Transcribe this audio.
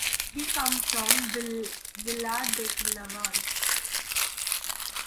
We come from Viladecavalls.